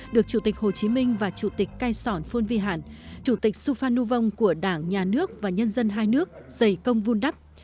được chủ tịch hồ chí minh và chủ tịch cai sỏn phôn vi hạn chủ tịch suphan nhu vong của đảng nhà nước và nhân dân hai nước giày công vun đắp